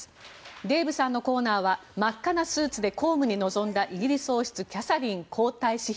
デーブさんのコーナーは真っ赤なスーツで公務に臨んだイギリス王室キャサリン皇太子妃。